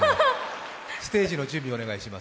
ステージの準備お願いします。